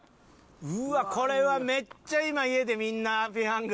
うわっこれはめっちゃ今家でみんなペヤング。